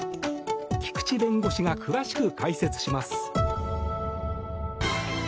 菊地弁護士が詳しく解説します。